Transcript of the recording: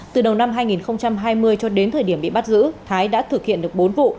từ đầu năm hai nghìn hai mươi cho đến thời điểm bị bắt giữ thái đã thực hiện được bốn vụ